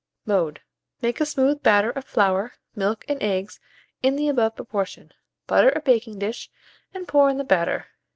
Mode. Make a smooth batter of flour, milk, and eggs in the above proportion; butter a baking dish, and pour in the batter.